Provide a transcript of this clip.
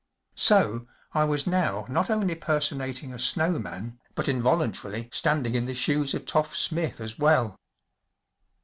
So 1 was now not only personating a snow man but involuntarily standing in the shoes of “ Toff ‚ÄĚ Smith as well.